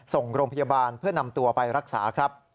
ส่งโรงพยาบาลเพื่อนำตัวไปรักษาครับ